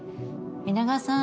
皆川さん